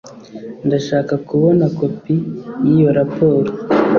Ndashaka kubona kopi yiyo raporo.